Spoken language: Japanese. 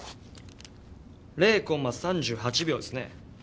０コンマ３８秒ですね。